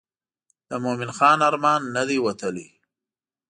د مومن خان ارمان نه دی وتلی.